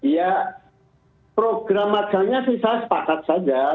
ya program agangnya sisa sepakat saja